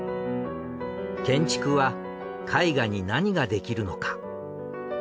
建築は絵画に何ができるのか？